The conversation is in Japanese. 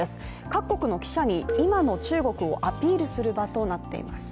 各国の記者に、今の中国をアピールする場となっています。